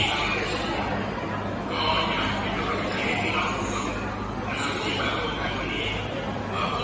สั้นประหลาดกุลแม้ตัวให้มันปลอดภัณฑ์